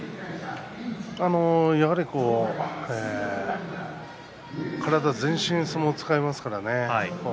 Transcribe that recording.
やはり体全身、相撲を使いますからね。